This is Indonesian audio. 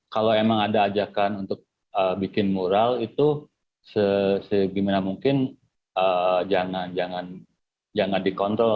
kalau emang ada ajakan untuk bikin mural itu segimana mungkin jangan dikontrol